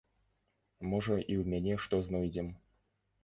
Можа і ў мяне што знойдзем.